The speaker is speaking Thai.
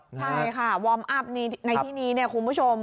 ใช่ค่ะวอร์มอัพในที่นี้เนี่ยคุณผู้ชม